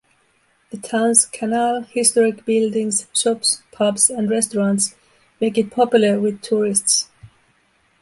The town's canal, historic buildings, shops, pubs and restaurants make it popular with tourists.